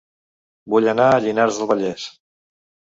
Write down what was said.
Vull anar a Llinars del Vallès